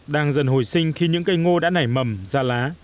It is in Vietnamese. tư vấn cho bà con về giống cây ngô đã nảy mầm ra lá